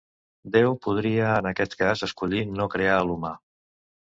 Déu podria, en aquest cas, escollir no crear a l'humà.